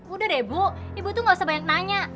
udah deh bu ibu tuh gak usah banyak nanya